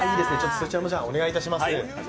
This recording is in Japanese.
そちらもお願いいたします。